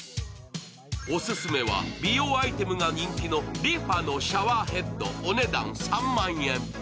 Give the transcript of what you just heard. オススメは美容アイテムが人気のＲｅＦａのシャワーヘッド、お値段３万円。